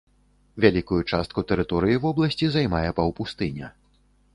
Вялікую частку тэрыторыі вобласці займае паўпустыня.